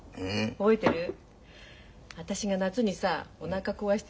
覚えてるよ。